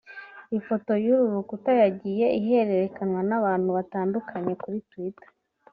Ifoto y’uru rukuta yagiye iherekanywa n’abantu batandukanye kuri twitter